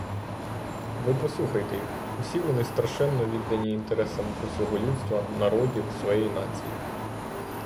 Ви послухайте їх: усі вони страшенно віддані інтересам усього людства, народів, своєї нації.